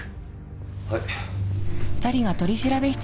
はい。